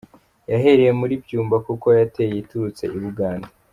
Yahereye muri Byumba kuko yateye iturutse i Bugande.